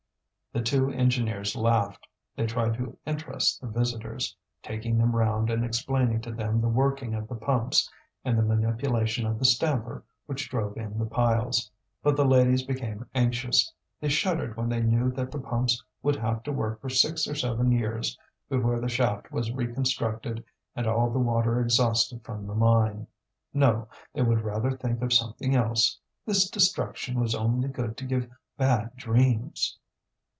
The two engineers laughed. They tried to interest the visitors, taking them round and explaining to them the working of the pumps and the manipulation of the stamper which drove in the piles. But the ladies became anxious. They shuddered when they knew that the pumps would have to work for six or seven years before the shaft was reconstructed and all the water exhausted from the mine. No, they would rather think of something else; this destruction was only good to give bad dreams.